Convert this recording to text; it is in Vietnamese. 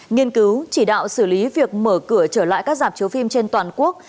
nghiên cứu chỉ đạo xử lý việc mở cửa trở lại các giảm chiếu phim trên toàn quốc